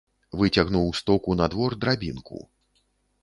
Выцягнуў з току на двор драбінку.